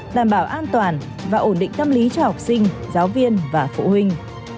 đảm bảo an toàn và ổn định tâm lý cho học sinh giáo viên và phụ huynh